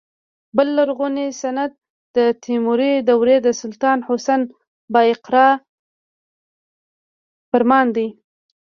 بل لرغونی سند د تیموري دورې د سلطان حسن بایقرا فرمان دی.